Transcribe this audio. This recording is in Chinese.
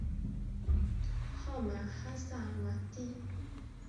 号玛哈萨嘛谛。